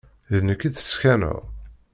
D nekk i d-teskaneḍ?